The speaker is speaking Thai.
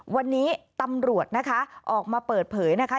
วันนี้ตำรวจนะคะออกมาเปิดเผยนะคะ